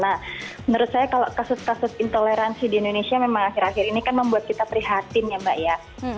nah menurut saya kalau kasus kasus intoleransi di indonesia memang akhir akhir ini kan membuat kita prihatin ya mbak ya